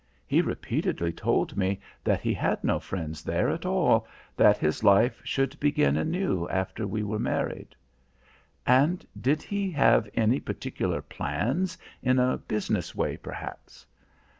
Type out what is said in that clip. He repeatedly told me that he had no friends there at all, that his life should begin anew after we were married." "And did he have any particular plans, in a business way, perhaps?"